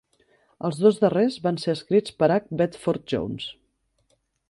Els dos darrers van ser escrits per H. Bedford-Jones.